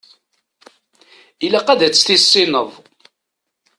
Ilaq ad tt-tissineḍ.